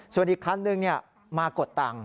ส่วนอีกคันนึงมากดตังค์